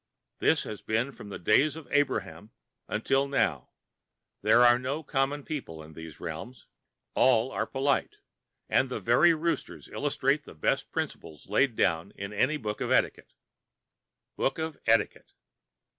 This has been from the days of Abraham until now. There are no common people in these realms. All are polite, and the very roosters illustrate the best principles laid down in any book of etiquette. Book of Etiquette!